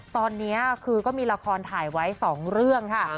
ตอนนี้คือก็มีละครถ่ายไว้๒เรื่องค่ะ